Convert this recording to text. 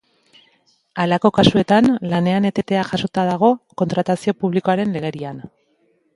Halako kasuetan, lanen etetea jasota dago kontratazio publikoaren legerian.